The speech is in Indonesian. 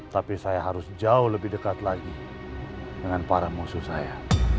tapi saya harus jauh lebih dekat lagi dengan para musuh saya